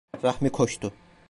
Rahmi koştu.